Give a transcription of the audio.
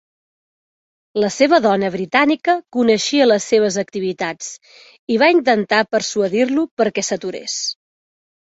La seva dona britànica coneixia les seves activitats i va intentar persuadir-lo perquè s'aturés.